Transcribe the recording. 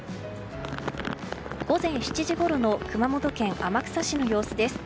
午前７時ごろの熊本県天草市の様子です。